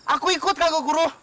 aku ikut kakak guru